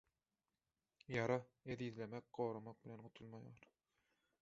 Ýara ezizlemek, goramak bilen gutulmaýar